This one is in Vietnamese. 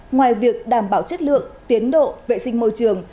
ngoài việc đảm bảo chất lượng tiến độ vệ sinh môi trường